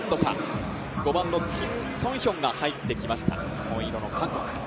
５番のキム・ソンヒョンが入ってきました。